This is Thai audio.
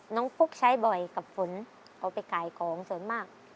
น้องฟุกใช้บ่อยกับฝนเอาไปกายของเฉินมาก